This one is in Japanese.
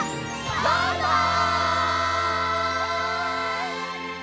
バイバイ！